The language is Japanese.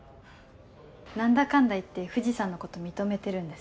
何だかんだ言って藤さんのこと認めてるんですね。